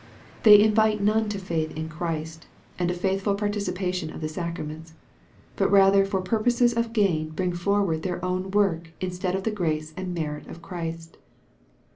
They invite none to faith in Christ and a faithful participation of the sacraments; but rather for purposes of gain bring forward their own work instead of the grace and merit of Christ.